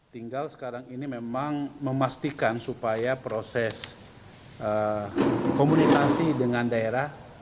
tinggal sekarang ini memang memastikan supaya proses komunikasi dengan daerah